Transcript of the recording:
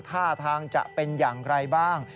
ท่าทางจะเป็นอย่างไรบ้าง